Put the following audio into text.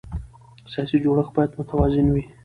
سیاسي جوړښت باید متوازن وي